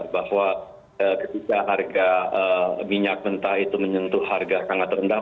bahwa ketika harga minyak mentah itu menyentuh harga sangat rendah